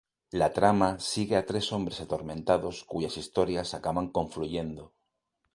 La trama sigue a tres hombres atormentados cuyas historias acaban confluyendo.